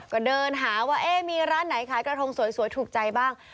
ก็เดินหาว่ามีร้านไหนขายกระทงสวยถูกใจบ้าง